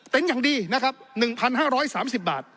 เป็นอย่างดีนะครับ๑๕๓๐บาท